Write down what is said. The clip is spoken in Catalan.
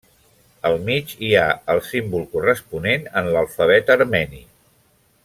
Al mig hi ha el símbol corresponent en l'alfabet armeni.